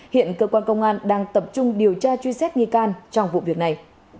hiện cơ quan công an đang tập trung điều tra truy xét nghi can trong vụ việc này